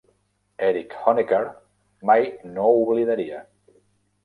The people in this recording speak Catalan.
Erich Honecker mai no ho oblidaria.